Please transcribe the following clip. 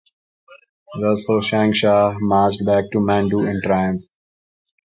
Thus Hoshang Shah marched back to Mandu in triumph.